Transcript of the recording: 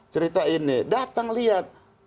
cerita ini datang lihat